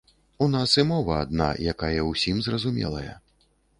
У нас і мова адна, якая ўсім зразумелая.